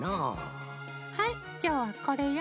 はいきょうはこれよ。